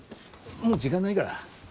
もう時間ないから。